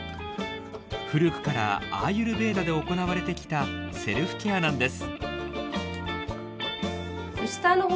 古くからアーユルヴェーダで行われてきたセルフケアなんです。